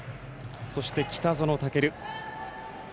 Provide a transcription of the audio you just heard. そして、北園丈琉。